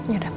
ya udah bu